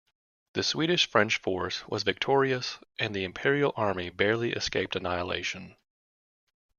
The Swedish-French force was victorious, and the Imperial army barely escaped annihilation.